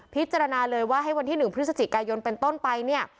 พิจารณาเลยว่าให้วันที่๑พฤศจิกายนเป็นต้นไปเนี่ย